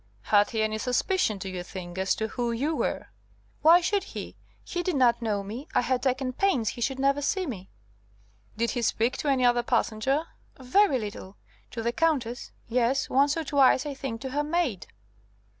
"Had he any suspicion, do you think, as to who you were?" "Why should he? He did not know me. I had taken pains he should never see me." "Did he speak to any other passenger?" "Very little. To the Countess. Yes, once or twice, I think, to her maid."